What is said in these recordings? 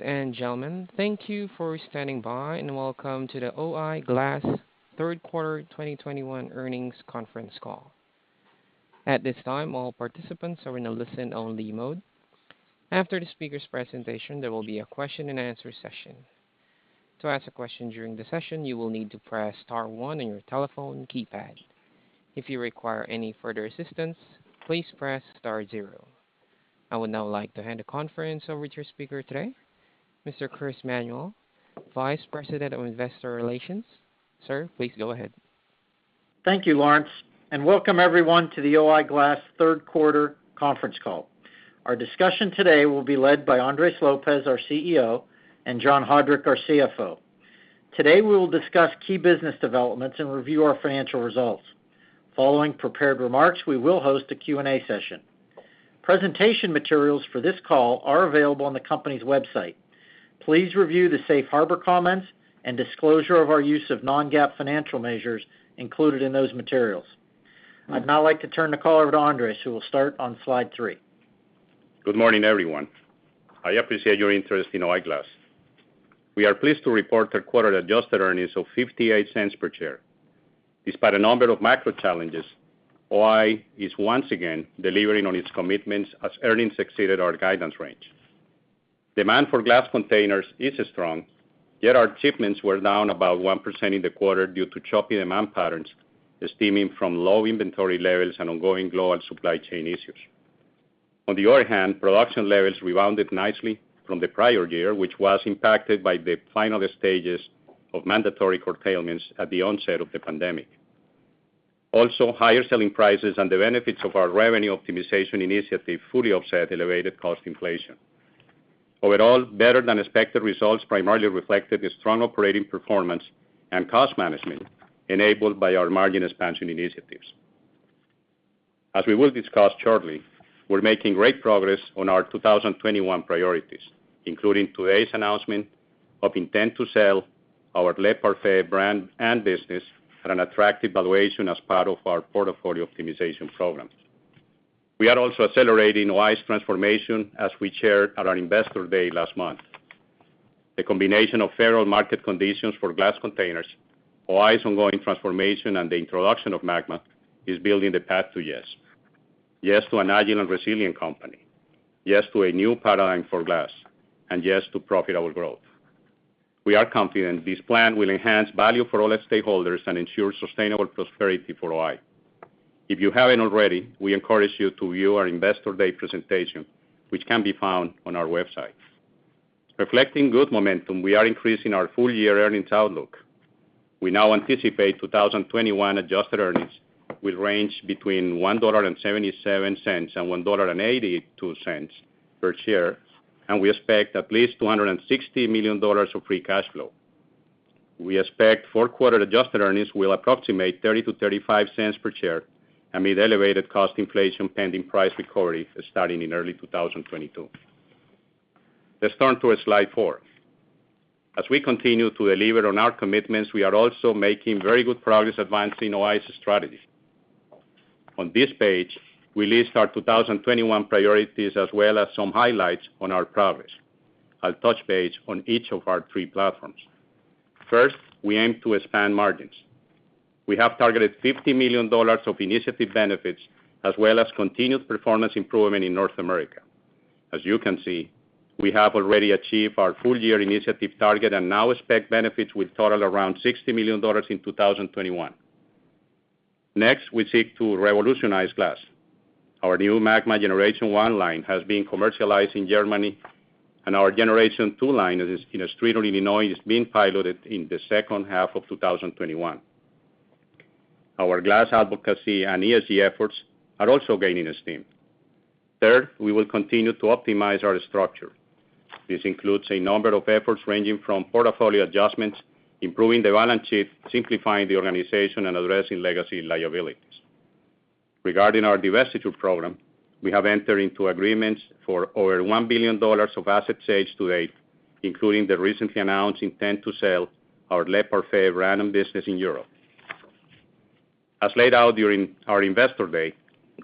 Ladies and gentlemen, thank you for standing by, and welcome to the O-I Glass third quarter 2021 earnings conference call. At this time, all participants are in a listen-only mode. After the speaker's presentation, there will be a question-and-answer session. To ask a question during the session, you will need to press star one on your telephone keypad. If you require any further assistance, please press star zero. I would now like to hand the conference over to your speaker today, Mr. Chris Manuel, Vice President of Investor Relations. Sir, please go ahead. Thank you, Lawrence, and welcome everyone to the O-I Glass third quarter conference call. Our discussion today will be led by Andres Lopez, our CEO, and John Haudrich, our CFO. Today, we will discuss key business developments and review our financial results. Following prepared remarks, we will host a Q&A session. Presentation materials for this call are available on the company's website. Please review the safe harbor comments and disclosure of our use of non-GAAP financial measures included in those materials. I'd now like to turn the call over to Andres Lopez, who will start on Slide 3. Good morning, everyone. I appreciate your interest in O-I Glass. We are pleased to report third-quarter adjusted earnings of $0.58 per share. Despite a number of macro challenges, O-I is once again delivering on its commitments as earnings exceeded our guidance range. Demand for glass containers is strong, yet our shipments were down about 1% in the quarter due to choppy demand patterns, stemming from low inventory levels and ongoing global supply chain issues. On the other hand, production levels rebounded nicely from the prior year, which was impacted by the final stages of mandatory curtailments at the onset of the pandemic. Also, higher selling prices and the benefits of our revenue optimization initiative fully offset elevated cost inflation. Overall, better-than-expected results primarily reflected the strong operating performance and cost management enabled by our margin expansion initiatives. As we will discuss shortly, we're making great progress on our 2021 priorities, including today's announcement of intent to sell our Le Parfait brand and business at an attractive valuation as part of our portfolio optimization programs. We are also accelerating O-I's transformation as we shared at our Investor Day last month. The combination of favorable market conditions for glass containers, O-I's ongoing transformation, and the introduction of MAGMA is building the path to yes. Yes to an agile and resilient company, yes to a new paradigm for glass, and yes to profitable growth. We are confident this plan will enhance value for all our stakeholders and ensure sustainable prosperity for O-I. If you haven't already, we encourage you to view our Investor Day presentation, which can be found on our website. Reflecting good momentum, we are increasing our full-year earnings outlook. We now anticipate 2021 adjusted earnings will range between $1.77 and $1.82 per share, and we expect at least $260 million of free cash flow. We expect fourth quarter adjusted earnings will approximate $0.30-$0.35 per share amid elevated cost inflation, pending price recovery starting in early 2022. Let's turn to Slide 4. As we continue to deliver on our commitments, we are also making very good progress advancing O-I's strategy. On this page, we list our 2021 priorities as well as some highlights on our progress. I'll touch base on each of our three platforms. First, we aim to expand margins. We have targeted $50 million of initiative benefits as well as continued performance improvement in North America. As you can see, we have already achieved our full-year initiative target and now expect benefits will total around $60 million in 2021. Next, we seek to revolutionize glass. Our new MAGMA Generation 1 line has been commercialized in Germany, and our Generation 2 line that is in Streator, Illinois, is being piloted in the second half of 2021. Our glass advocacy and ESG efforts are also gaining steam. Third, we will continue to optimize our structure. This includes a number of efforts ranging from portfolio adjustments, improving the balance sheet, simplifying the organization, and addressing legacy liabilities. Regarding our divestiture program, we have entered into agreements for over $1 billion of asset sales to date, including the recently announced intent to sell our Le Parfait brand and business in Europe. As laid out during our Investor Day,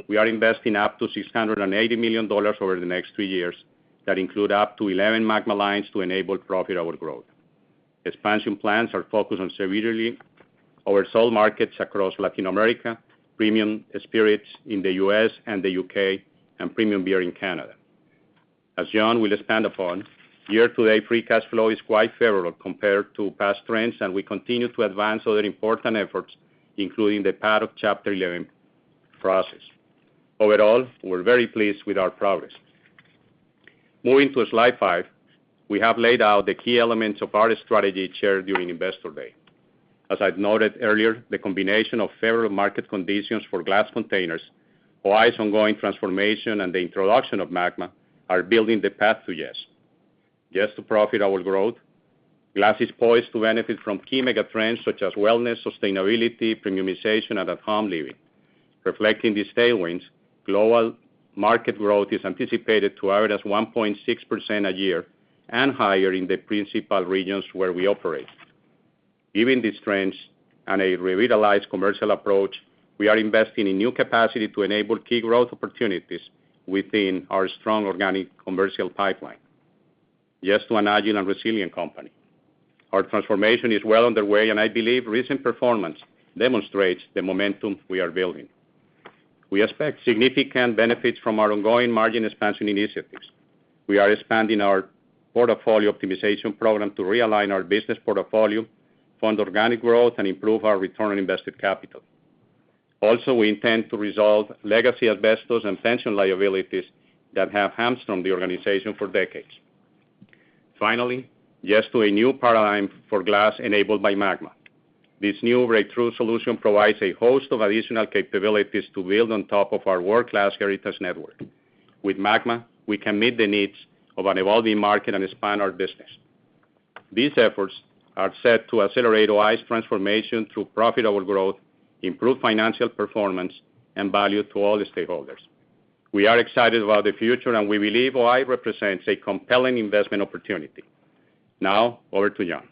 we are investing up to $680 million over the next three years that include up to 11 MAGMA lines to enable profitable growth. Expansion plans are focused on serving our key markets across Latin America, premium spirits in the U.S. and the U.K., and premium beer in Canada. As John will expand upon, year-to-date free cash flow is quite favorable compared to past trends, and we continue to advance other important efforts, including the path out of Chapter 11 process. Overall, we're very pleased with our progress. Moving to Slide 5. We have laid out the key elements of our strategy shared during Investor Day. As I've noted earlier, the combination of favorable market conditions for glass containers, O-I's ongoing transformation, and the introduction of MAGMA are building the path to yes. Yes to profitable growth. Glass is poised to benefit from key mega trends such as wellness, sustainability, premiumization, and at-home living. Reflecting these tailwinds, global market growth is anticipated to average 1.6% a year and higher in the principal regions where we operate. Given the strengths and a revitalized commercial approach, we are investing in new capacity to enable key growth opportunities within our strong organic commercial pipeline. Yes to an agile and resilient company. Our transformation is well underway, and I believe recent performance demonstrates the momentum we are building. We expect significant benefits from our ongoing margin expansion initiatives. We are expanding our portfolio optimization program to realign our business portfolio, fund organic growth, and improve our return on invested capital. Also, we intend to resolve legacy asbestos and pension liabilities that have hamstrung the organization for decades. Finally, yes to a new paradigm for glass enabled by MAGMA. This new breakthrough solution provides a host of additional capabilities to build on top of our world-class heritage network. With MAGMA, we can meet the needs of an evolving market and expand our business. These efforts are set to accelerate O-I's transformation through profitable growth, improved financial performance, and value to all the stakeholders. We are excited about the future, and we believe O-I represents a compelling investment opportunity. Now over to John.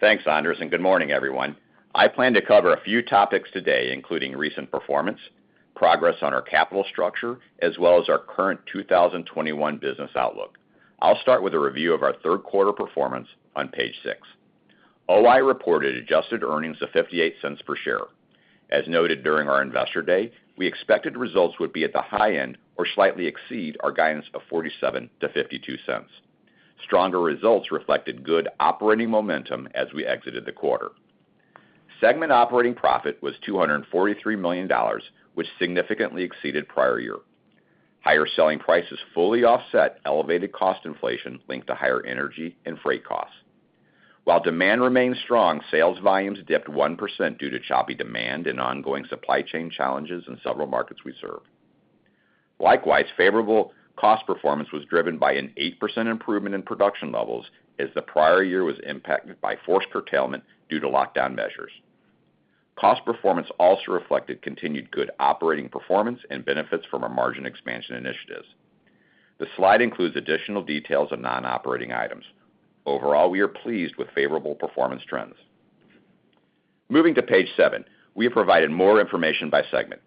Thanks, Andres, and good morning, everyone. I plan to cover a few topics today, including recent performance, progress on our capital structure, as well as our current 2021 business outlook. I'll start with a review of our third quarter performance on page 6. O-I reported adjusted earnings of $0.58 per share. As noted during our Investor Day, we expected results would be at the high end or slightly exceed our guidance of $0.47-$0.52. Stronger results reflected good operating momentum as we exited the quarter. Segment operating profit was $243 million, which significantly exceeded prior year. Higher selling prices fully offset elevated cost inflation linked to higher energy and freight costs. While demand remains strong, sales volumes dipped 1% due to choppy demand and ongoing supply chain challenges in several markets we serve. Likewise, favorable cost performance was driven by an 8% improvement in production levels as the prior year was impacted by forced curtailment due to lockdown measures. Cost performance also reflected continued good operating performance and benefits from our margin expansion initiatives. The slide includes additional details of non-operating items. Overall, we are pleased with favorable performance trends. Moving to page 7, we have provided more information by segment.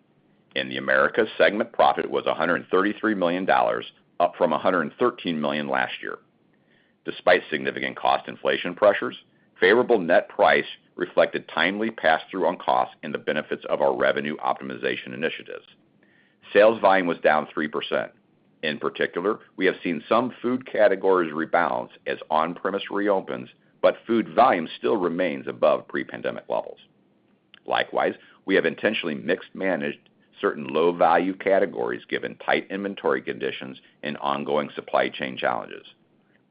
In the Americas, segment profit was $133 million, up from $113 million last year. Despite significant cost inflation pressures, favorable net price reflected timely pass-through on costs and the benefits of our revenue optimization initiatives. Sales volume was down 3%. In particular, we have seen some food categories rebound as on-premise reopens, but food volume still remains above pre-pandemic levels. Likewise, we have intentionally mismanaged certain low-value categories given tight inventory conditions and ongoing supply chain challenges.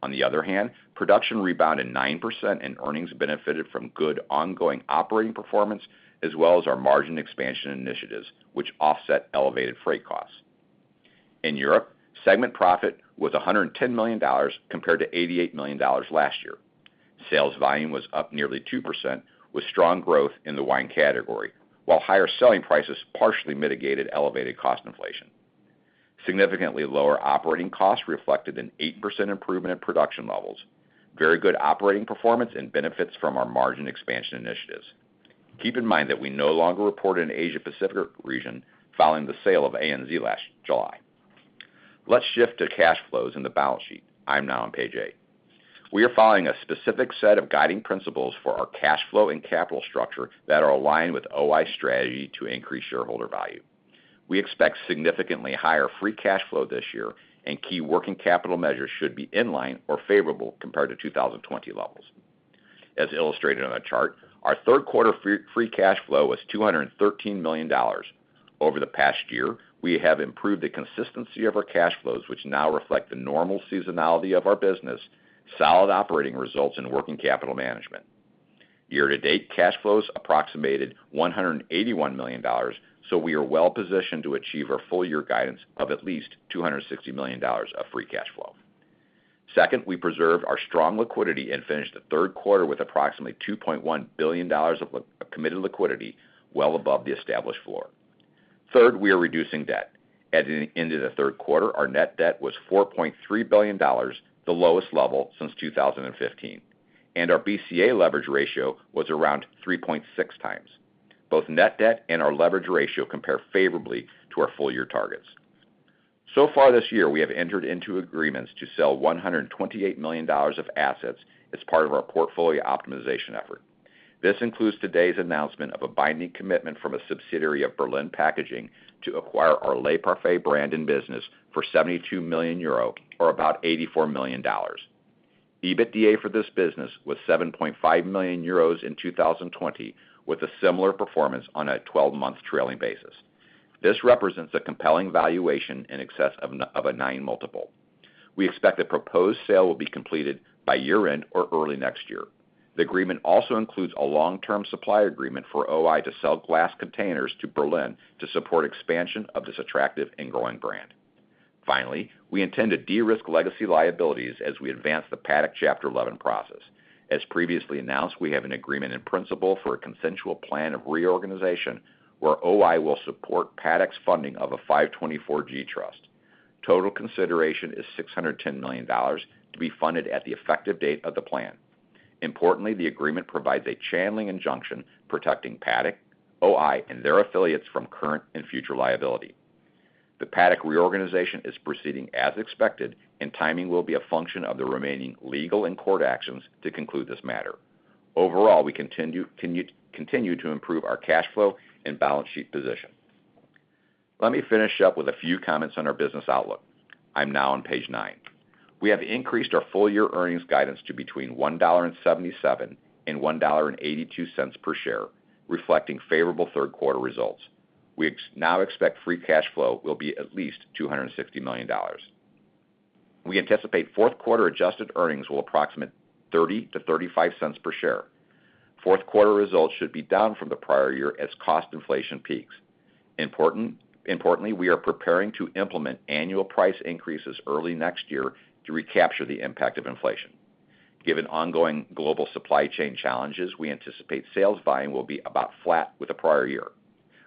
On the other hand, production rebounded 9%, and earnings benefited from good ongoing operating performance as well as our margin expansion initiatives, which offset elevated freight costs. In Europe, segment profit was $110 million compared to $88 million last year. Sales volume was up nearly 2% with strong growth in the wine category, while higher selling prices partially mitigated elevated cost inflation. Significantly lower operating costs reflected an 8% improvement in production levels, very good operating performance, and benefits from our margin expansion initiatives. Keep in mind that we no longer report an Asia Pacific region following the sale of ANZ last July. Let's shift to cash flows in the balance sheet. I'm now on page 8. We are following a specific set of guiding principles for our cash flow and capital structure that are aligned with O-I's strategy to increase shareholder value. We expect significantly higher free cash flow this year, and key working capital measures should be in line or favorable compared to 2020 levels. As illustrated on the chart, our third quarter free cash flow was $213 million. Over the past year, we have improved the consistency of our cash flows, which now reflect the normal seasonality of our business, solid operating results and working capital management. Year-to-date cash flows approximated $181 million, so we are well positioned to achieve our full year guidance of at least $260 million of free cash flow. Second, we preserve our strong liquidity and finished the third quarter with approximately $2.1 billion of committed liquidity, well above the established floor. Third, we are reducing debt. At the end of the third quarter, our net debt was $4.3 billion, the lowest level since 2015, and our BCA leverage ratio was around 3.6x. Both net debt and our leverage ratio compare favorably to our full year targets. So far this year, we have entered into agreements to sell $128 million of assets as part of our portfolio optimization effort. This includes today's announcement of a binding commitment from a subsidiary of Berlin Packaging to acquire our Le Parfait brand and business for 72 million euro or about $84 million. EBITDA for this business was 7.5 million euros in 2020, with a similar performance on a 12-month trailing basis. This represents a compelling valuation in excess of a 9x multiple. We expect the proposed sale will be completed by year-end or early next year. The agreement also includes a long-term supply agreement for O-I to sell glass containers to Berlin to support expansion of this attractive and growing brand. Finally, we intend to de-risk legacy liabilities as we advance the Paddock Chapter 11 process. As previously announced, we have an agreement in principle for a consensual plan of reorganization where O-I will support Paddock's funding of a 524(g) trust. Total consideration is $610 million to be funded at the effective date of the plan. Importantly, the agreement provides a channeling injunction protecting Paddock, O-I, and their affiliates from current and future liability. The Paddock reorganization is proceeding as expected, and timing will be a function of the remaining legal and court actions to conclude this matter. Overall, we continue to improve our cash flow and balance sheet position. Let me finish up with a few comments on our business outlook. I'm now on page 9. We have increased our full year earnings guidance to between $1.77 and $1.82 per share, reflecting favorable third quarter results. We now expect free cash flow will be at least $260 million. We anticipate fourth quarter adjusted earnings will approximate $0.30-$0.35 per share. Fourth quarter results should be down from the prior year as cost inflation peaks. Importantly, we are preparing to implement annual price increases early next year to recapture the impact of inflation. Given ongoing global supply chain challenges, we anticipate sales volume will be about flat with the prior year.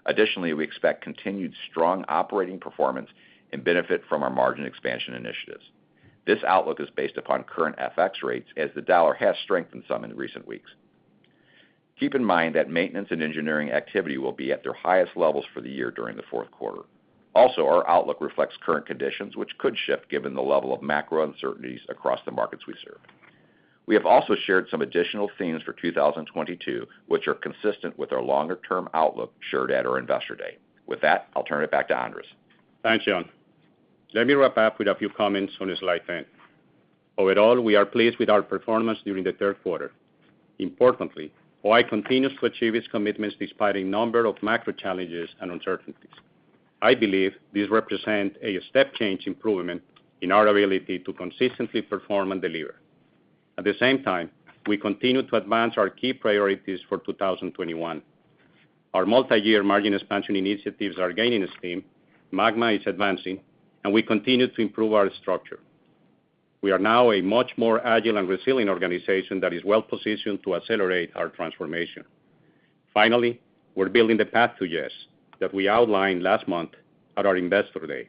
Additionally, we expect continued strong operating performance and benefit from our margin expansion initiatives. This outlook is based upon current FX rates, as the dollar has strengthened some in recent weeks. Keep in mind that maintenance and engineering activity will be at their highest levels for the year during the fourth quarter. Also, our outlook reflects current conditions, which could shift given the level of macro uncertainties across the markets we serve. We have also shared some additional themes for 2022, which are consistent with our longer-term outlook shared at our Investor Day. With that, I'll turn it back to Andres. Thanks, John. Let me wrap up with a few comments on Slide 10. Overall, we are pleased with our performance during the third quarter. Importantly, O-I continues to achieve its commitments despite a number of macro challenges and uncertainties. I believe these represent a step change improvement in our ability to consistently perform and deliver. At the same time, we continue to advance our key priorities for 2021. Our multi-year margin expansion initiatives are gaining steam, Magma is advancing, and we continue to improve our structure. We are now a much more agile and resilient organization that is well positioned to accelerate our transformation. Finally, we're building the Path to Yes that we outlined last month at our Investor Day.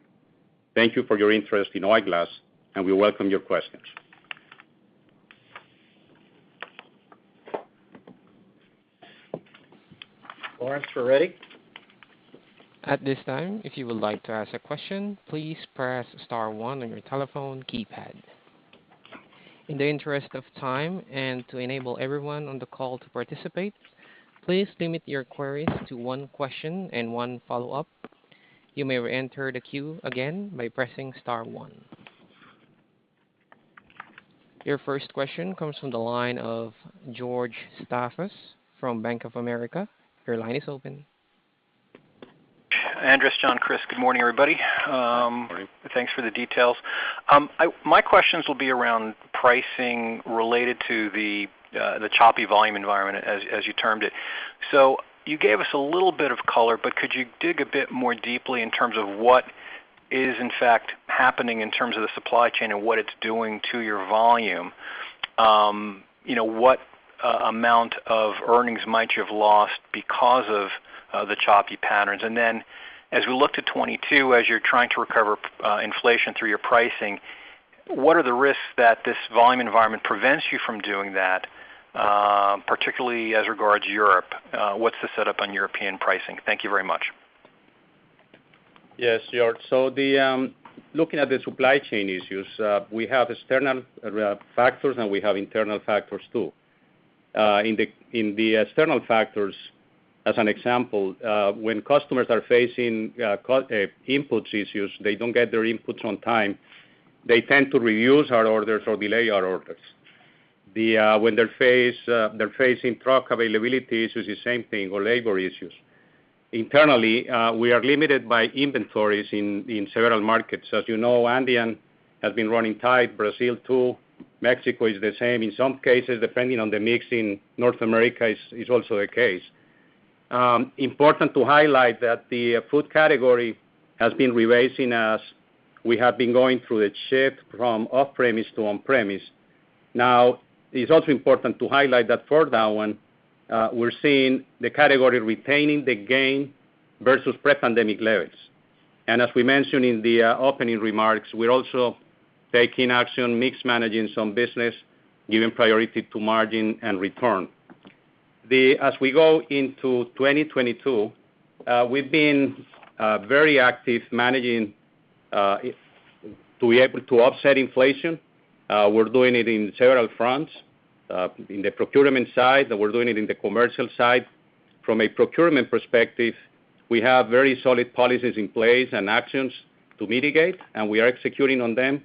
Thank you for your interest in O-I Glass, and we welcome your questions. Lawrence, we're ready. At this time, if you would like to ask a question, please press star one on your telephone keypad. In the interest of time and to enable everyone on the call to participate, please limit your queries to one question and one follow-up. You may reenter the queue again by pressing star one. Your first question comes from the line of George Staphos from Bank of America. Your line is open. Andres, John, Chris, good morning, everybody. Good morning. Thanks for the details. My questions will be around pricing related to the choppy volume environment as you termed it. You gave us a little bit of color, but could you dig a bit more deeply in terms of what is in fact happening in terms of the supply chain and what it's doing to your volume? What amount of earnings might you have lost because of the choppy patterns? Then as we look to 2022, as you're trying to recover inflation through your pricing, what are the risks that this volume environment prevents you from doing that, particularly as regards Europe? What's the setup on European pricing? Thank you very much. Yes, George. Looking at the supply chain issues, we have external factors, and we have internal factors too. In the external factors, as an example, when customers are facing inputs issues, they don't get their inputs on time, they tend to reduce our orders or delay our orders. When they're facing truck availability issues, the same thing, or labor issues. Internally, we are limited by inventories in several markets. As you know, Andean has been running tight, Brazil too. Mexico is the same. In some cases, depending on the mix in North America is also the case. Important to highlight that the food category has been rising as we have been going through a shift from off-premise to on-premise. Now, it's also important to highlight that for that one, we're seeing the category retaining the gain versus pre-pandemic levels. As we mentioned in the opening remarks, we're also taking action, mix managing some business, giving priority to margin and return. As we go into 2022, we've been very active managing to be able to offset inflation. We're doing it in several fronts. In the procurement side, and we're doing it in the commercial side. From a procurement perspective, we have very solid policies in place and actions to mitigate, and we are executing on them.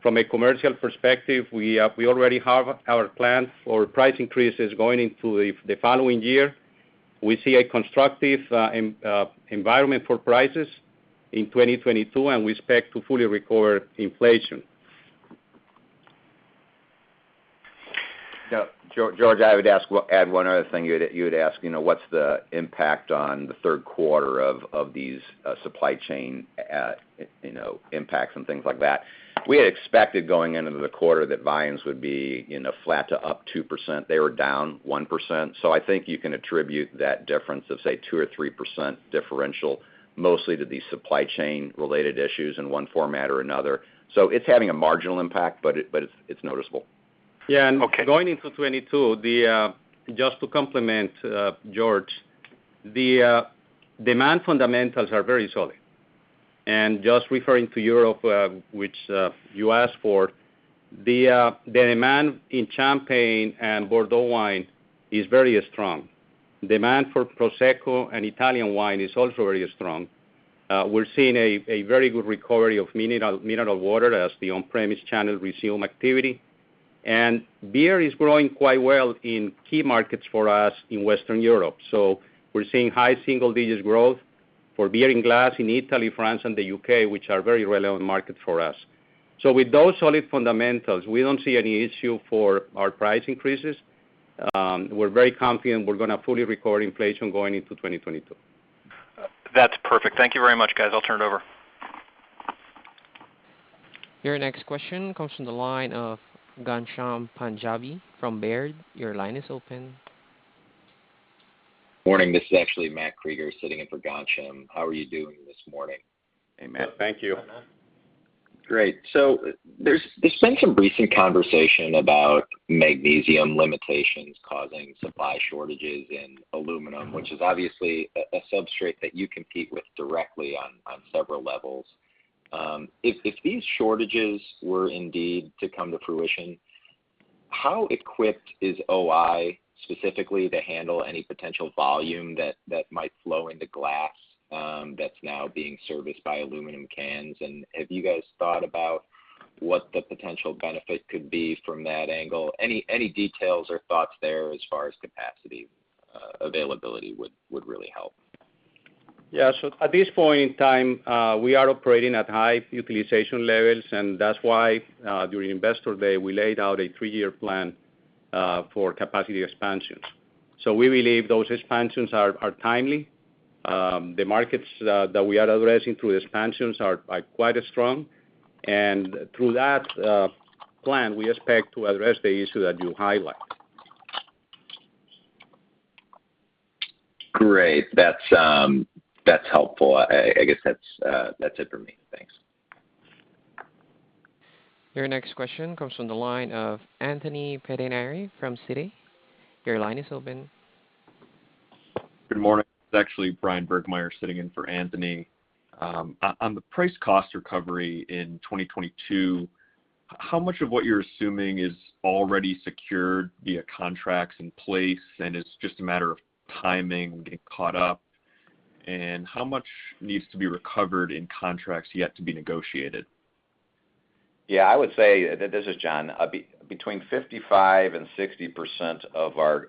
From a commercial perspective, we already have our plans for price increases going into the following year. We see a constructive environment for prices in 2022, and we expect to fully recover inflation. Now, George, I would add one other thing. You had asked, you know, what's the impact on the third quarter of these supply chain, you know, impacts and things like that. We had expected going into the quarter that volumes would be, you know, flat to up 2%. They were down 1%, so I think you can attribute that difference of, say, 2%-3% differential mostly to the supply chain related issues in one format or another. It's having a marginal impact, but it's noticeable. Yeah. Okay. Going into 2022, just to complement George, the demand fundamentals are very solid. Just referring to Europe, which you asked for, the demand in Champagne and Bordeaux wine is very strong. Demand for Prosecco and Italian wine is also very strong. We're seeing a very good recovery of mineral water as the on-premise channels resume activity. Beer is growing quite well in key markets for us in Western Europe. We're seeing high single digits growth for beer and glass in Italy, France and the U.K., which are very relevant market for us. With those solid fundamentals, we don't see any issue for our price increases. We're very confident we're gonna fully record inflation going into 2022. That's perfect. Thank you very much, guys. I'll turn it over. Your next question comes from the line of Ghansham Panjabi from Baird. Your line is open. Morning, this is actually Matt Krueger sitting in for Ghansham. How are you doing this morning? Hey, Matt. Thank you. Hi, Matt. Great. There's been some recent conversation about magnesium limitations causing supply shortages in aluminum, which is obviously a substrate that you compete with directly on several levels. If these shortages were indeed to come to fruition, how equipped is O-I specifically to handle any potential volume that might flow into glass, that's now being serviced by aluminum cans? And have you guys thought about what the potential benefit could be from that angle? Any details or thoughts there as far as capacity, availability would really help. At this point in time, we are operating at high utilization levels, and that's why, during Investor Day, we laid out a three-year plan for capacity expansions. We believe those expansions are timely. The markets that we are addressing through expansions are quite strong. Through that plan, we expect to address the issue that you highlight. Great. That's helpful. I guess that's it for me. Thanks. Your next question comes from the line of Anthony Pettinari from Citi. Your line is open. Good morning. It's actually Bryan Burgmeier sitting in for Anthony. On the price cost recovery in 2022, how much of what you're assuming is already secured via contracts in place, and it's just a matter of timing getting caught up? How much needs to be recovered in contracts yet to be negotiated? Yeah. I would say, this is John, between 55%-60% of our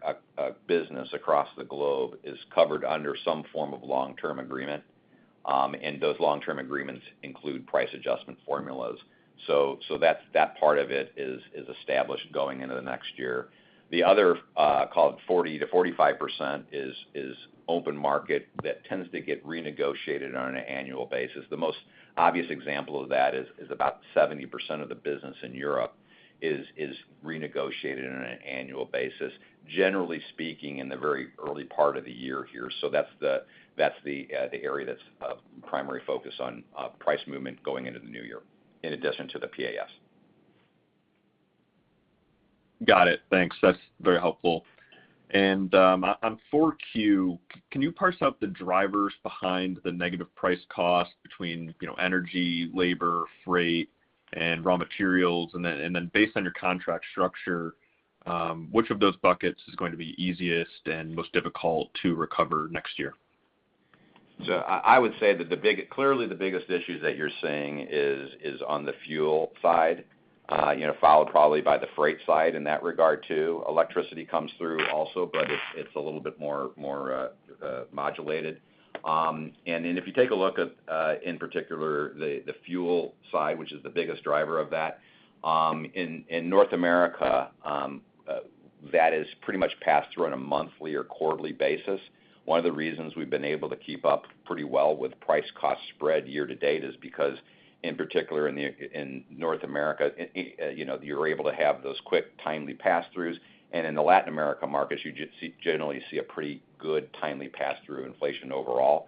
business across the globe is covered under some form of long-term agreement. Those long-term agreements include price adjustment formulas. That's that part of it is established going into the next year. The other, call it 40%-45% is open market that tends to get renegotiated on an annual basis. The most obvious example of that is about 70% of the business in Europe is renegotiated on an annual basis, generally speaking, in the very early part of the year here. That's the area that's of primary focus on price movement going into the new year, in addition to the PAFs. Got it. Thanks. That's very helpful. On Q4, can you parse out the drivers behind the negative price cost between, you know, energy, labor, freight, and raw materials? Based on your contract structure, which of those buckets is going to be easiest and most difficult to recover next year? I would say that clearly the biggest issues that you're seeing is on the fuel side, followed probably by the freight side in that regard too. Electricity comes through also, but it's a little bit more modulated. If you take a look at in particular the fuel side, which is the biggest driver of that, in North America, that is pretty much passed through on a monthly or quarterly basis. One of the reasons we've been able to keep up pretty well with price cost spread year-to-date is because in particular in the in North America you're able to have those quick timely pass-throughs, and in the Latin America markets, you generally see a pretty good timely pass-through inflation overall.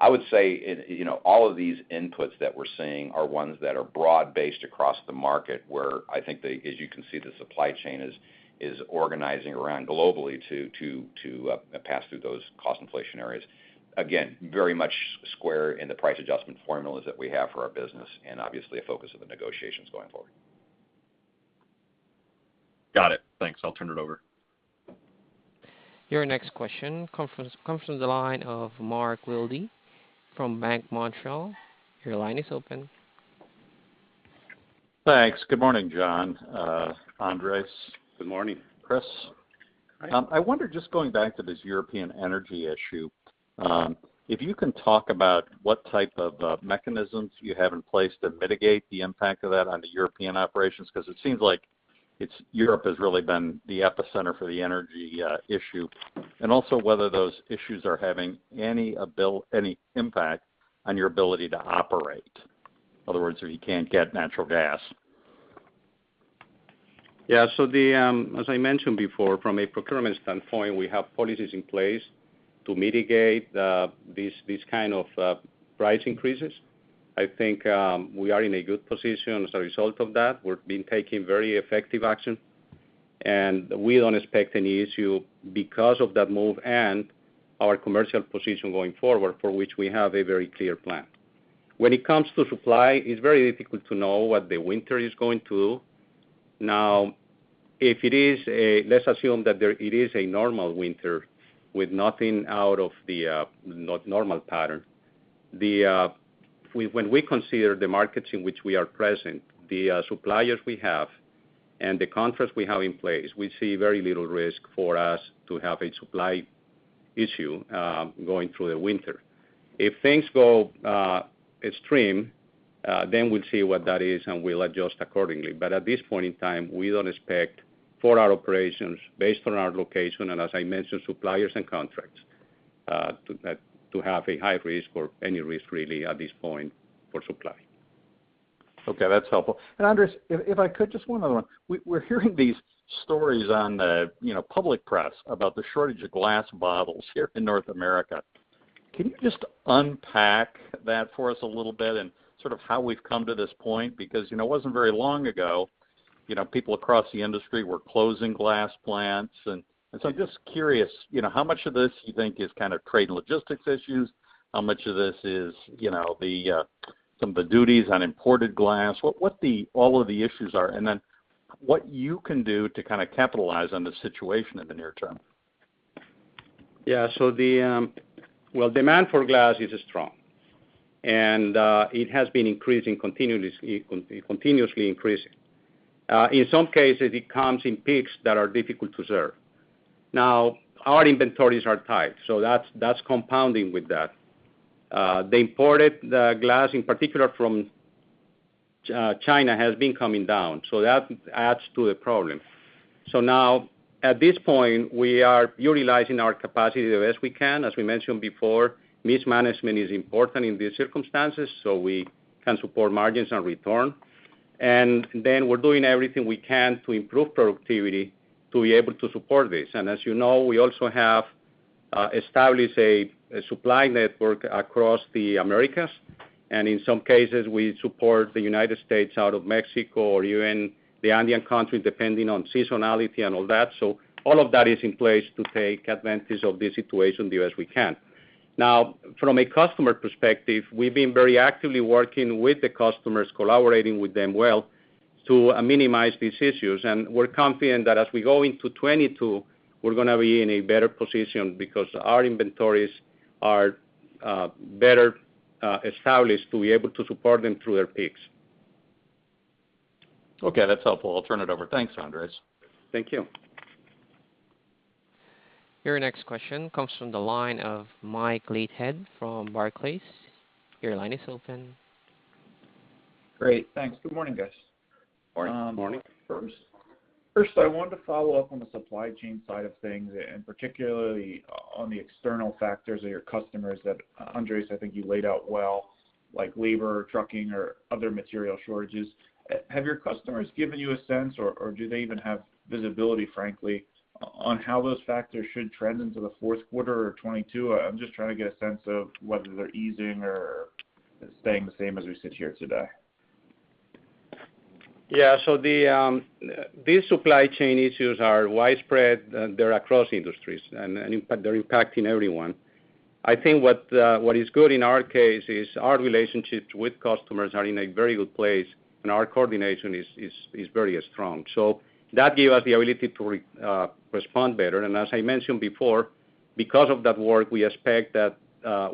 I would say in, you know, all of these inputs that we're seeing are ones that are broad-based across the market, where I think, as you can see, the supply chain is organizing around globally to pass through those cost inflation areas. Again, very much square in the price adjustment formulas that we have for our business, and obviously a focus of the negotiations going forward. Got it. Thanks. I'll turn it over. Your next question comes from the line of Mark Wilde from Bank of Montreal. Your line is open. Thanks. Good morning, John, Andres. Good morning. Chris. Hi. I wonder, just going back to this European energy issue, if you can talk about what type of mechanisms you have in place to mitigate the impact of that on the European operations, because it seems like Europe has really been the epicenter for the energy issue. Also, whether those issues are having any impact on your ability to operate. In other words, if you can't get natural gas. Yeah. The, as I mentioned before, from a procurement standpoint, we have policies in place to mitigate these kind of price increases. I think, we are in a good position as a result of that. We've been taking very effective action, and we don't expect any issue because of that move and our commercial position going forward, for which we have a very clear plan. When it comes to supply, it's very difficult to know what the winter is going to do. Now, if it is a, let's assume that it is a normal winter with nothing out of the not normal pattern. When we consider the markets in which we are present, the suppliers we have and the contracts we have in place, we see very little risk for us to have a supply issue going through the winter. If things go extreme, then we'll see what that is, and we'll adjust accordingly. At this point in time, we don't expect for our operations based on our location, and as I mentioned, suppliers and contracts, to have a high risk or any risk really at this point for supply. Okay, that's helpful. Andres, if I could, just one other one. We're hearing these stories on the, you know, public press about the shortage of glass bottles here in North America. Can you just unpack that for us a little bit and sort of how we've come to this point? Because, you know, it wasn't very long ago, you know, people across the industry were closing glass plants. I'm just curious, you know, how much of this you think is kind of trade and logistics issues, how much of this is, you know, the, some of the duties on imported glass, what all of the issues are, and then what you can do to kind of capitalize on the situation in the near term. Yeah. Demand for glass is strong, and it has been increasing continuously. In some cases, it comes in peaks that are difficult to serve. Our inventories are tight, so that's compounding with that. The imported glass in particular from China has been coming down, so that adds to the problem. Now at this point, we are utilizing our capacity as we can. As we mentioned before, management is important in these circumstances, so we can support margins and returns. Then we're doing everything we can to improve productivity to be able to support this. As you know, we also have established a supply network across the Americas, and in some cases, we support the United States out of Mexico or even the Andean country, depending on seasonality and all that. All of that is in place to take advantage of the situation there as we can. Now, from a customer perspective, we've been very actively working with the customers, collaborating with them well to minimize these issues. We're confident that as we go into 2022, we're gonna be in a better position because our inventories are better established to be able to support them through their peaks. Okay, that's helpful. I'll turn it over. Thanks, Andres. Thank you. Your next question comes from the line of Mike Leithead from Barclays. Your line is open. Great. Thanks. Good morning, guys. Morning. Morning. First, I wanted to follow up on the supply chain side of things, and particularly on the external factors of your customers that, Andres, I think you laid out well, like labor, trucking, or other material shortages. Have your customers given you a sense or do they even have visibility, frankly, on how those factors should trend into the fourth quarter or 2022? I'm just trying to get a sense of whether they're easing or staying the same as we sit here today. These supply chain issues are widespread, and they're across industries. They're impacting everyone. I think what is good in our case is our relationships with customers are in a very good place, and our coordination is very strong. That gave us the ability to respond better. As I mentioned before, because of that work, we expect that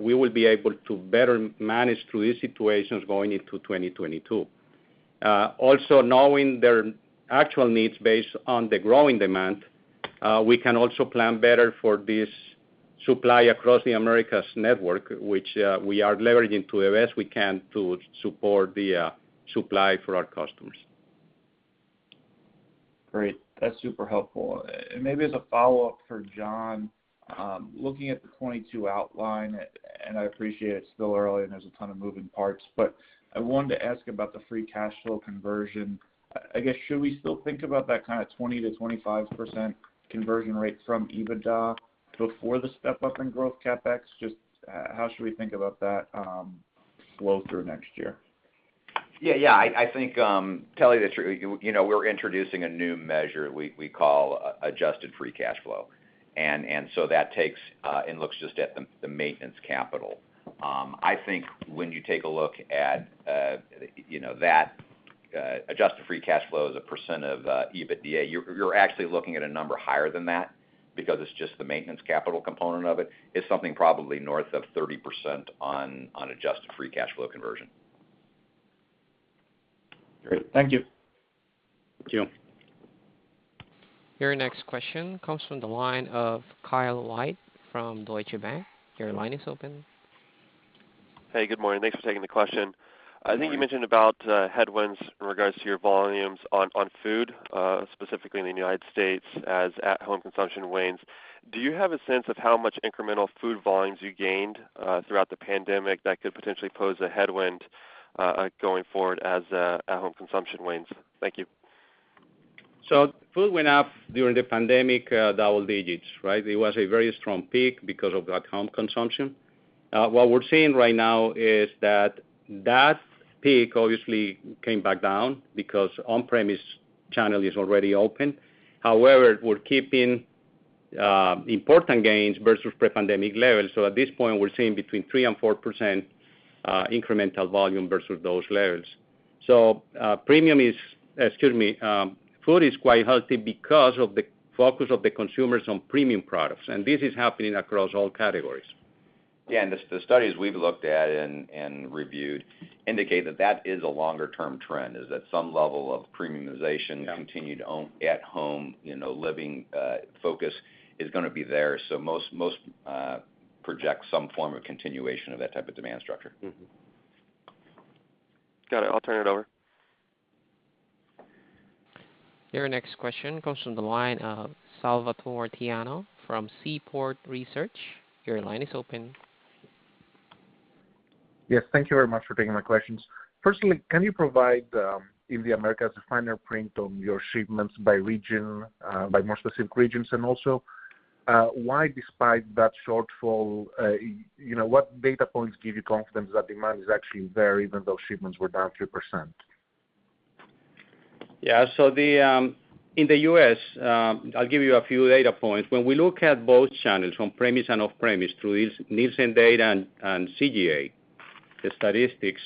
we will be able to better manage through these situations going into 2022. Also knowing their actual needs based on the growing demand, we can also plan better for this supply across the Americas network, which we are leveraging to the best we can to support the supply for our customers. Great. That's super helpful. Maybe as a follow-up for John, looking at the 2022 outline, and I appreciate it's still early and there's a ton of moving parts, but I wanted to ask about the free cash flow conversion. I guess, should we still think about that kind of 20%-25% conversion rate from EBITDA before the step-up in growth CapEx? Just how should we think about that, flow through next year? Yeah. I think to tell you the truth, you know, we're introducing a new measure we call adjusted free cash flow. That takes and looks just at the maintenance capital. I think when you take a look at that adjusted free cash flow as a percent of EBITDA, you're actually looking at a number higher than that because it's just the maintenance capital component of it. It's something probably north of 30% on adjusted free cash flow conversion. Great. Thank you. Thank you. Your next question comes from the line of Kyle White from Deutsche Bank. Your line is open. Hey, good morning. Thanks for taking the question. Good morning. I think you mentioned about headwinds in regards to your volumes on food, specifically in the United States as at-home consumption wanes. Do you have a sense of how much incremental food volumes you gained throughout the pandemic that could potentially pose a headwind going forward as at-home consumption wanes? Thank you. Food went up during the pandemic, double digits, right? It was a very strong peak because of that home consumption. What we're seeing right now is that peak obviously came back down because on-premise channel is already open. However, we're keeping important gains versus pre-pandemic levels. At this point, we're seeing between 3% and 4% incremental volume versus those levels. Food is quite healthy because of the focus of the consumers on premium products, and this is happening across all categories. Yeah. The studies we've looked at and reviewed indicate that is a longer-term trend, is that some level of premiumization. Yeah. Continued on at-home, you know, living focus is gonna be there. Most project some form of continuation of that type of demand structure. Mm-hmm. Got it. I'll turn it over. Your next question comes from the line of Salvatore Tiano from Seaport Research. Your line is open. Yes. Thank you very much for taking my questions. Firstly, can you provide, in the Americas, a finer print on your shipments by region, by more specific regions? Why despite that shortfall, you know, what data points give you confidence that demand is actually there, even though shipments were down 2%? Yeah. In the U.S., I'll give you a few data points. When we look at both channels, on-premise and off-premise, through these Nielsen data and CGA statistics,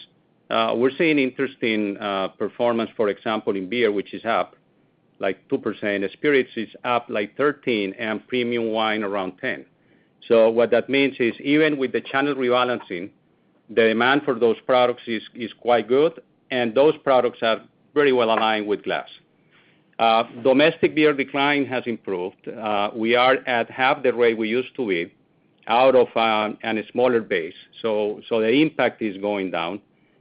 we're seeing interesting performance, for example, in beer, which is up like 2%. Spirits is up like 13%, and premium wine around 10%. What that means is even with the channel rebalancing, the demand for those products is quite good, and those products are very well aligned with glass. Domestic beer decline has improved. We are at half the rate we used to be overall and a smaller base. The impact is going down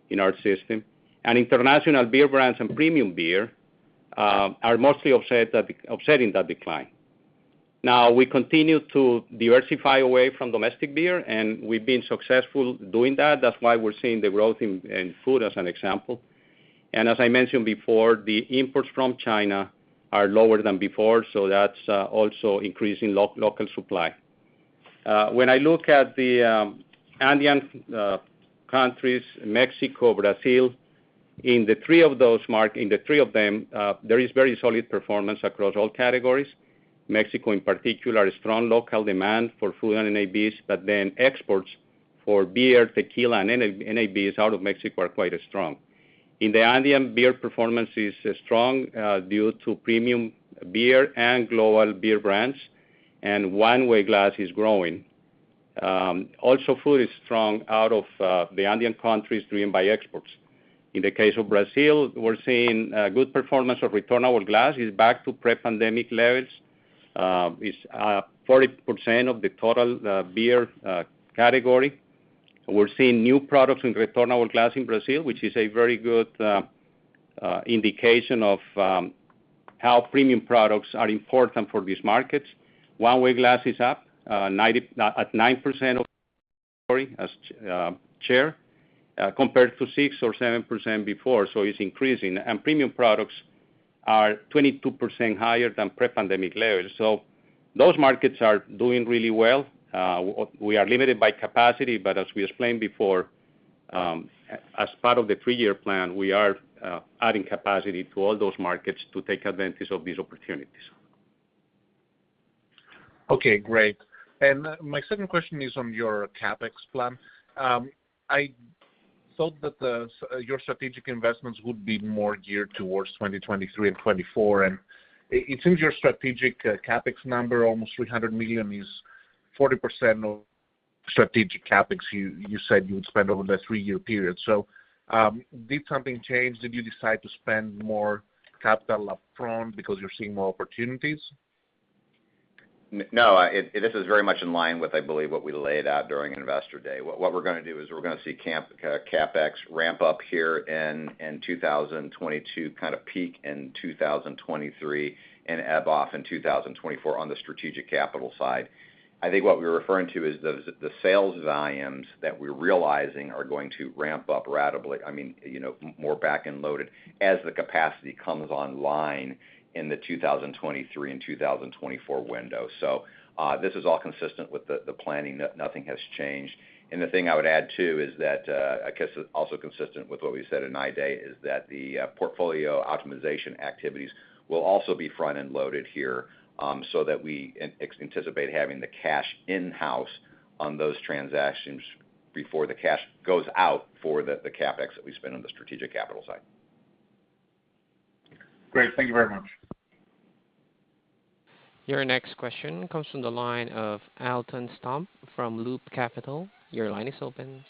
in our system. International beer brands and premium beer are mostly offsetting that decline. Now, we continue to diversify away from domestic beer, and we've been successful doing that. That's why we're seeing the growth in food as an example. As I mentioned before, the imports from China are lower than before, so that's also increasing local supply. When I look at the Andean countries, Mexico, Brazil, in the three of them, there is very solid performance across all categories. Mexico in particular shows strong local demand for food and NABs, but then exports for beer, tequila, and NABs out of Mexico are just as strong. In the Andean, beer performance is strong due to premium beer and global beer brands, and one-way glass is growing. Also food is strong out of the Andean countries driven by exports. In the case of Brazil, we're seeing good performance of returnable glass. It's back to pre-pandemic levels. It's 40% of the total beer category. We're seeing new products in returnable glass in Brazil, which is a very good indication of how premium products are important for these markets. One-way glass is up at 9% of category as share compared to 6% or 7% before, so it's increasing. Premium products are 22% higher than pre-pandemic levels. Those markets are doing really well. We are limited by capacity, but as we explained before, as part of the three-year plan, we are adding capacity to all those markets to take advantage of these opportunities. Okay. Great. My second question is on your CapEx plan. I thought that your strategic investments would be more geared towards 2023 and 2024, and it seems your strategic CapEx number, almost $300 million, is 40% of strategic CapEx you said you would spend over the three-year period. Did something change? Did you decide to spend more capital upfront because you're seeing more opportunities? No. This is very much in line with, I believe, what we laid out during Investor Day. What we're gonna do is we're gonna see CapEx ramp up here in 2022, kind of peak in 2023, and ebb off in 2024 on the strategic capital side. I think what we're referring to is the sales volumes that we're realizing are going to ramp up ratably. I mean, you know, more back and loaded as the capacity comes online in the 2023 and 2024 window. This is all consistent with the planning. Nothing has changed. The thing I would add too is that, I guess also consistent with what we said in Investor Day, is that the portfolio optimization activities will also be front and loaded here, so that we anticipate having the cash in-house on those transactions before the cash goes out for the CapEx that we spend on the strategic capital side. Great. Thank you very much. Your next question comes from the line of Alton Stump from Loop Capital. Your line is open.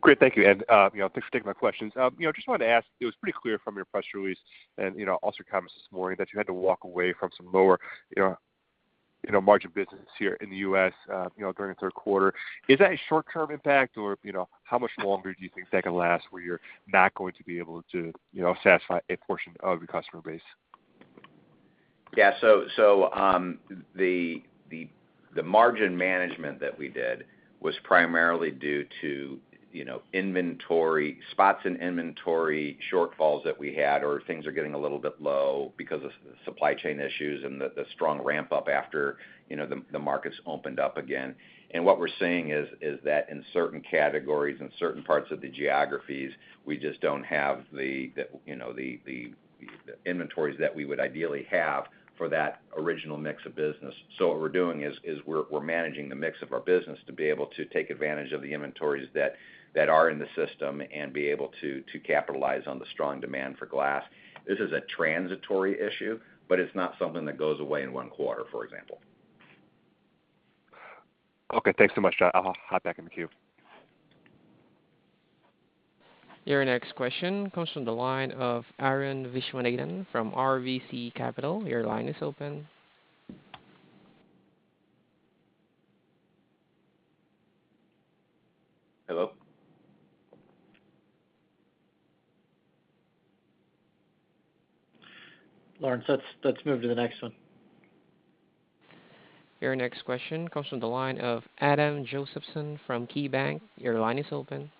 Great. Thank you. You know, thanks for taking my questions. You know, just wanted to ask, it was pretty clear from your press release and, you know, also comments this morning that you had to walk away from some lower, you know, margin business here in the U.S., you know, during the third quarter. Is that a short-term impact or, you know, how much longer do you think that can last where you're not going to be able to, you know, satisfy a portion of your customer base? Yeah. The margin management that we did was primarily due to, you know, inventory spots in inventory shortfalls that we had or things are getting a little bit low because of supply chain issues and the strong ramp up after, you know, the markets opened up again. What we're seeing is that in certain categories, in certain parts of the geographies, we just don't have the, you know, the inventories that we would ideally have for that original mix of business. What we're doing is we're managing the mix of our business to be able to take advantage of the inventories that are in the system and be able to capitalize on the strong demand for glass. This is a transitory issue, but it's not something that goes away in one quarter, for example. Okay. Thanks so much, John. I'll hop back in the queue. Your next question comes from the line of Arun Viswanathan from RBC Capital Markets. Your line is open. Hello? Lawrence, let's move to the next one. Your next question comes from the line of Adam Josephson from KeyBanc. Your line is open.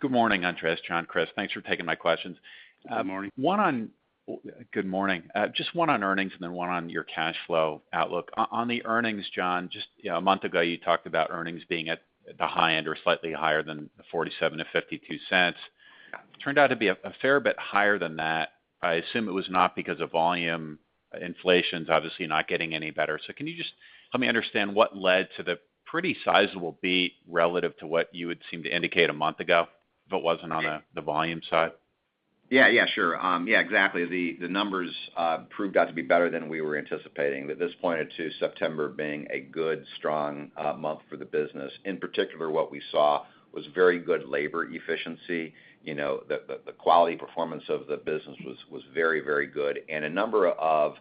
Good morning, Andres, John, Chris. Thanks for taking my questions. Good morning. Good morning. Just one on earnings and then one on your cash flow outlook. On the earnings, John, just, you know, a month ago, you talked about earnings being at the high end or slightly higher than $0.47-$0.52. Yeah. Turned out to be a fair bit higher than that. I assume it was not because of volume. Inflation's obviously not getting any better. Can you just help me understand what led to the pretty sizable beat relative to what you would seem to indicate a month ago if it wasn't on the volume side? Yeah, exactly. The numbers proved out to be better than we were anticipating. This pointed to September being a good, strong month for the business. In particular, what we saw was very good labor efficiency. You know, the quality performance of the business was very good. A number of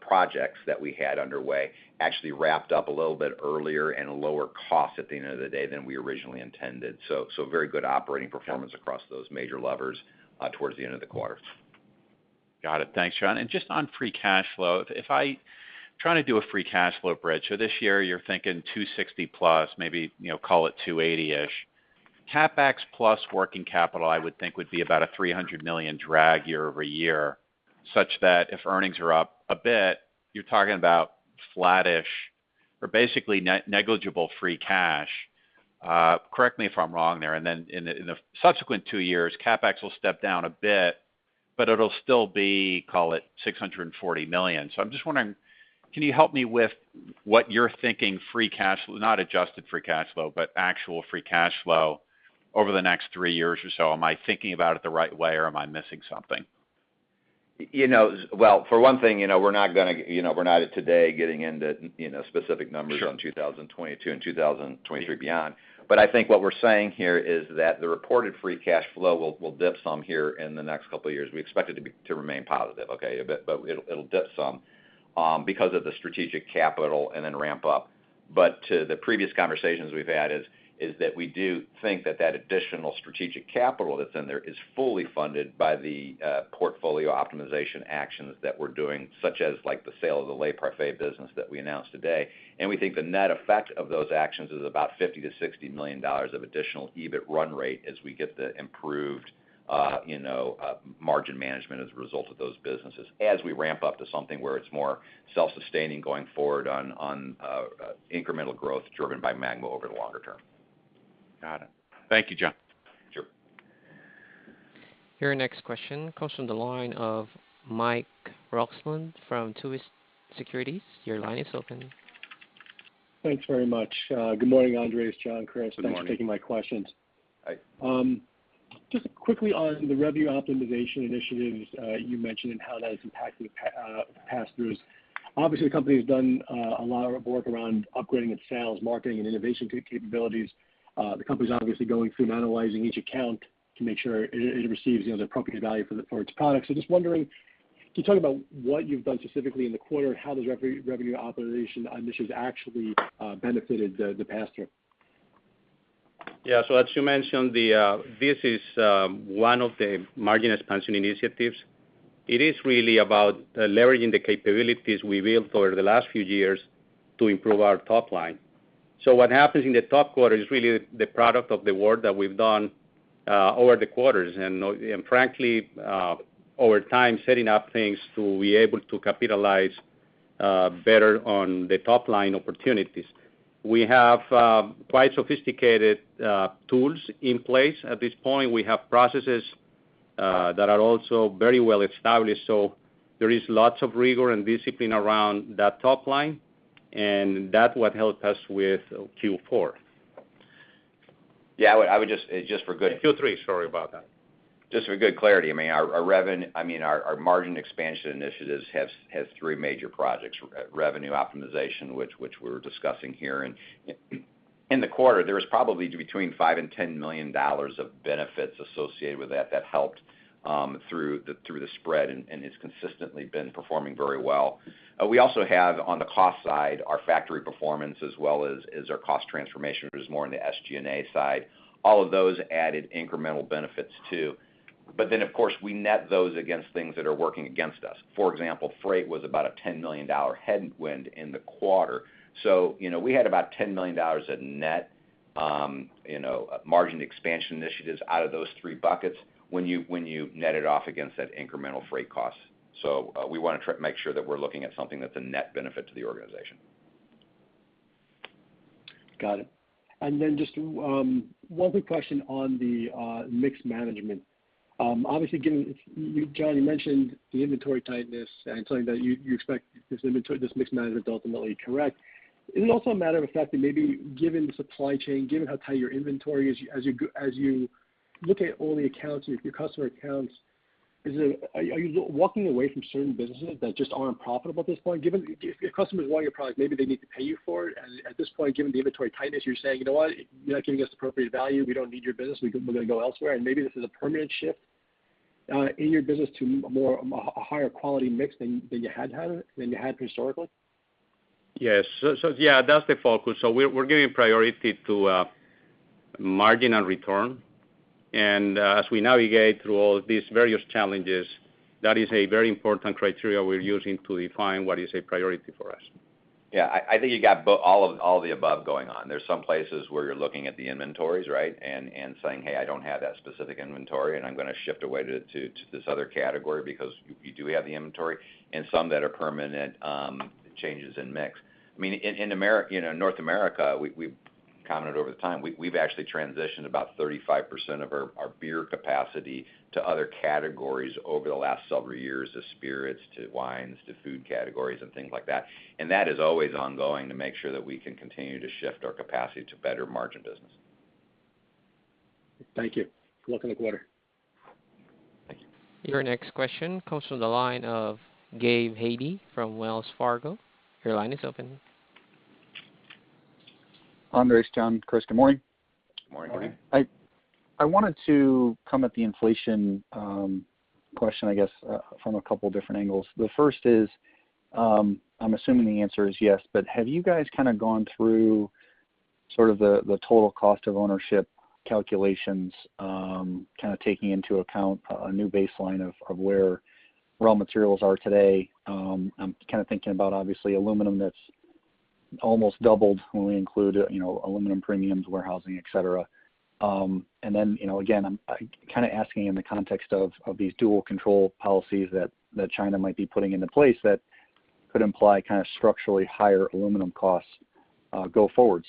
projects that we had underway actually wrapped up a little bit earlier and at a lower cost at the end of the day than we originally intended. Very good operating performance across those major levers towards the end of the quarter. Got it. Thanks, John. Just on free cash flow. Trying to do a free cash flow bridge. This year, you're thinking 260 plus, maybe, you know, call it 280-ish. CapEx plus working capital, I would think would be about a $300 million drag year-over-year, such that if earnings are up a bit, you're talking about flattish or basically negligible free cash. Correct me if I'm wrong there. Then in the subsequent two years, CapEx will step down a bit, but it'll still be, call it $640 million. I'm just wondering, can you help me with what you're thinking free cash-- not adjusted free cash flow, but actual free cash flow over the next three years or so? Am I thinking about it the right way, or am I missing something? You know, well, for one thing, you know, we're not gonna, you know, we're not today getting into, you know, specific numbers. Sure. on 2022 and 2023 beyond. I think what we're saying here is that the reported free cash flow will dip some here in the next couple of years. We expect it to remain positive, okay? It'll dip some, because of the strategic capital and then ramp up. To the previous conversations we've had is that we do think that that additional strategic capital that's in there is fully funded by the portfolio optimization actions that we're doing, such as like the sale of the Le Parfait business that we announced today. We think the net effect of those actions is about $50 million-$60 million of additional EBIT run rate as we get the improved, you know, margin management as a result of those businesses, as we ramp up to something where it's more self-sustaining going forward on incremental growth driven by MAGMA over the longer term. Got it. Thank you, John. Sure. Your next question comes from the line of Michael Roxland from Truist Securities. Your line is open. Thanks very much. Good morning, Andres, John, Chris. Good morning. Thanks for taking my questions. Hi. Just quickly on the revenue optimization initiatives you mentioned and how that has impacted pass-throughs. Obviously, the company has done a lot of work around upgrading its sales, marketing, and innovation capabilities. The company's obviously going through and analyzing each account to make sure it receives, you know, the appropriate value for its products. Just wondering, can you talk about what you've done specifically in the quarter and how those revenue optimization initiatives actually benefited the pass-through? Yeah. As you mentioned, this is one of the margin expansion initiatives. It is really about leveraging the capabilities we built over the last few years to improve our top line. What happens in the fourth quarter is really the product of the work that we've done over the quarters, and frankly over time, setting up things to be able to capitalize better on the top-line opportunities. We have quite sophisticated tools in place. At this point, we have processes that are also very well established. There is lots of rigor and discipline around that top line, and that's what helped us with Q4. Yeah. I would just for good- Q3, sorry about that. Just for good clarity, I mean, our margin expansion initiatives has three major projects. Revenue optimization, which we're discussing here. In the quarter, there was probably between $5 million and $10 million of benefits associated with that helped through the spread, and it's consistently been performing very well. We also have on the cost side, our factory performance as well as our cost transformation, which is more in the SG&A side. All of those added incremental benefits too. Of course, we net those against things that are working against us. For example, freight was about a $10 million headwind in the quarter. You know, we had about $10 million of net, you know, margin expansion initiatives out of those three buckets when you net it off against that incremental freight cost. We wanna try to make sure that we're looking at something that's a net benefit to the organization. Got it. Just one quick question on the mix management. Obviously, given you, John, mentioned the inventory tightness and telling that you expect this mix management to ultimately correct. Is it also a matter of fact that maybe given the supply chain, given how tight your inventory is, as you look at all the accounts, your customer accounts, are you walking away from certain businesses that just aren't profitable at this point, given if your customers want your product, maybe they need to pay you for it. At this point, given the inventory tightness, you're saying, "You know what? You're not giving us appropriate value. We don't need your business. We gonna go elsewhere. Maybe this is a permanent shift in your business to a higher quality mix than you had historically. Yes. Yeah, that's the focus. We're giving priority to margin and return. As we navigate through all these various challenges, that is a very important criteria we're using to define what is a priority for us. Yeah. I think you got all of the above going on. There's some places where you're looking at the inventories, right, and saying, "Hey, I don't have that specific inventory, and I'm gonna shift away to this other category because we do have the inventory." Some that are permanent changes in mix. I mean, in America, you know, North America, we've commented over time. We've actually transitioned about 35% of our beer capacity to other categories over the last several years, to spirits, to wines, to food categories, and things like that. That is always ongoing to make sure that we can continue to shift our capacity to better margin business. Thank you. Good luck in the quarter. Thank you. Your next question comes from the line of Gabe Hajde from Wells Fargo. Your line is open. Andres, John, Chris, good morning. Good morning. Morning. I wanted to come at the inflation question, I guess, from a couple different angles. The first is, I'm assuming the answer is yes, but have you guys kinda gone through sort of the total cost of ownership calculations, kinda taking into account a new baseline of where raw materials are today? I'm kinda thinking about obviously aluminum that's almost doubled when we include, you know, aluminum premiums, warehousing, etc. And then, you know, again, I'm kinda asking in the context of these dual control policies that China might be putting into place that could imply kinda structurally higher aluminum costs go forward.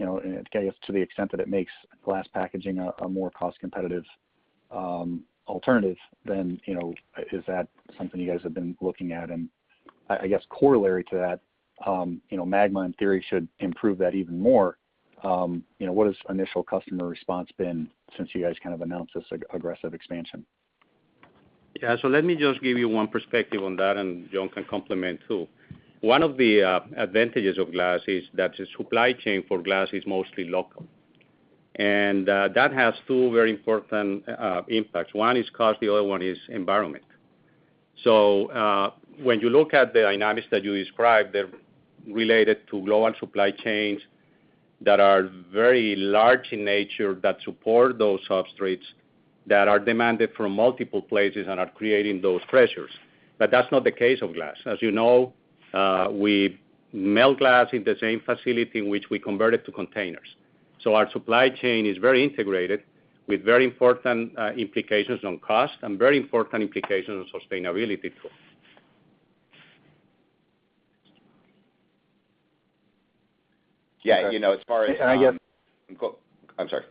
You know, and I guess to the extent that it makes glass packaging a more cost competitive alternative, then, you know, is that something you guys have been looking at? I guess corollary to that, you know, MAGMA in theory should improve that even more. You know, what has initial customer response been since you guys kind of announced this aggressive expansion? Yeah. Let me just give you one perspective on that, and John can comment too. One of the advantages of glass is that the supply chain for glass is mostly local. That has two very important impacts. One is cost, the other one is environment. When you look at the dynamics that you described, they're related to longer supply chains that are very large in nature, that support those substrates, that are demanded from multiple places and are creating those pressures. That's not the case of glass. As you know, we melt glass in the same facility in which we convert it to containers. Our supply chain is very integrated with very important implications on cost and very important implications on sustainability too. Yeah. You know, as far as. I guess. I'm sorry.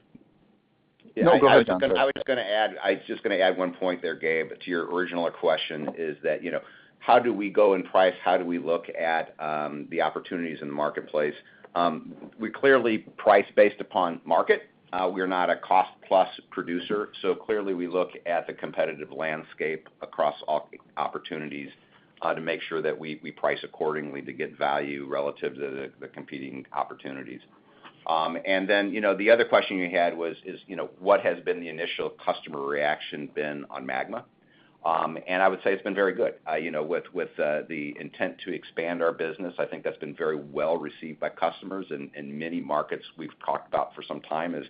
No, go ahead, John. Sorry. I was just gonna add one point there, Gabe, to your original question, is that, you know, how do we go and price, how do we look at the opportunities in the marketplace? We clearly price based upon market. We're not a cost plus producer, so clearly we look at the competitive landscape across opportunities to make sure that we price accordingly to get value relative to the competing opportunities. Then, you know, the other question you had was, you know, what has been the initial customer reaction on MAGMA? I would say it's been very good. You know, with the intent to expand our business, I think that's been very well received by customers. In many markets we've talked about for some time as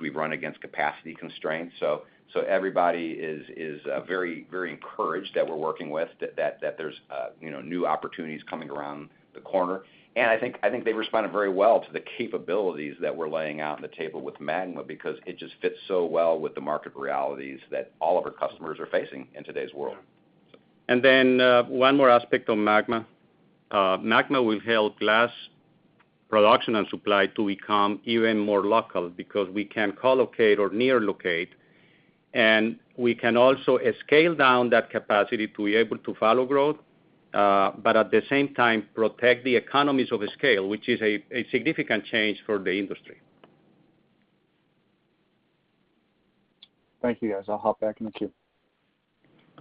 we've run against capacity constraints. Everybody is very encouraged that there's you know new opportunities coming around the corner. I think they've responded very well to the capabilities that we're laying out on the table with MAGMA because it just fits so well with the market realities that all of our customers are facing in today's world. One more aspect on MAGMA. MAGMA will help glass production and supply to become even more local because we can co-locate or near locate, and we can also scale down that capacity to be able to follow growth, but at the same time protect the economies of the scale, which is a significant change for the industry. Thank you, guys. I'll hop back in the queue.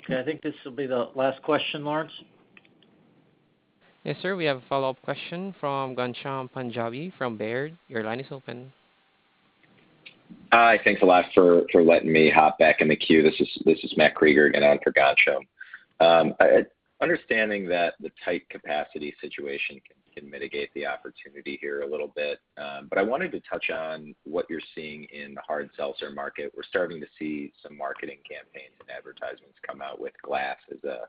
Okay. I think this will be the last question, Lawrence. Yes, sir. We have a follow-up question from Ghansham Panjabi from Baird. Your line is open. Hi. Thanks a lot for letting me hop back in the queue. This is Matt Krueger, in for Gansham. Understanding that the tight capacity situation can mitigate the opportunity here a little bit. I wanted to touch on what you're seeing in the hard seltzer market. We're starting to see some marketing campaigns and advertisements come out with glass as a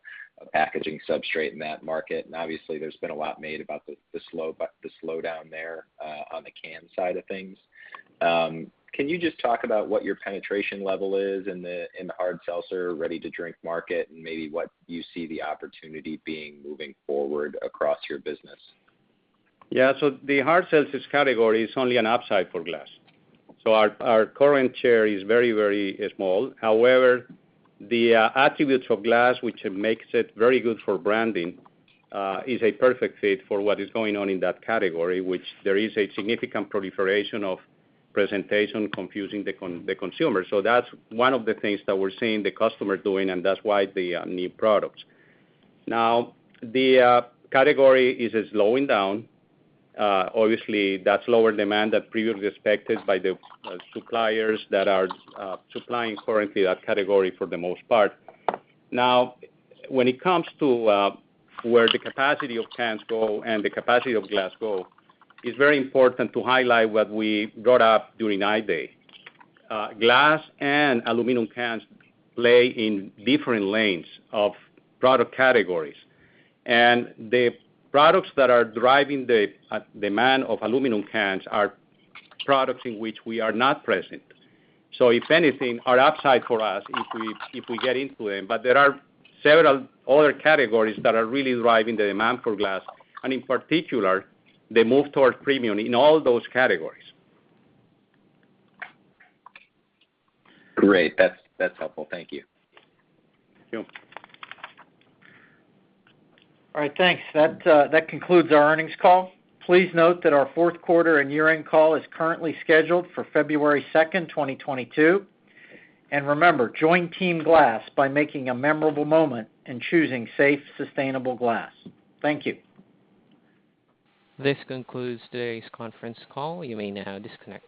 packaging substrate in that market. Obviously, there's been a lot made about the slowdown there on the canned side of things. Can you just talk about what your penetration level is in the hard seltzer ready-to-drink market and maybe what you see the opportunity being moving forward across your business? Yeah. The hard seltzers category is only an upside for glass. Our current share is very, very small. However, the attributes of glass, which makes it very good for branding, is a perfect fit for what is going on in that category, which there is a significant proliferation of presentation confusing the consumer. That's one of the things that we're seeing the customer doing, and that's why the new products. The category is slowing down. Obviously, that's lower demand than previously expected by the suppliers that are supplying currently that category for the most part. When it comes to where the capacity of cans go and the capacity of glass go, it's very important to highlight what we brought up during Investor Day. Glass and aluminum cans play in different lanes of product categories. The products that are driving the demand of aluminum cans are products in which we are not present. If anything, our upside for us if we get into them, but there are several other categories that are really driving the demand for glass, and in particular, the move towards premium in all those categories. Great. That's helpful. Thank you. Thank you. All right, thanks. That concludes our earnings call. Please note that our fourth quarter and year-end call is currently scheduled for February 2, 2022. Remember, join Team Glass by making a memorable moment and choosing safe, sustainable glass. Thank you. This concludes today's conference call. You may now disconnect.